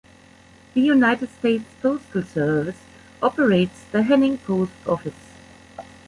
The United States Postal Service operates the Henning Post Office.